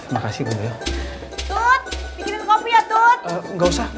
makasih bu yoyo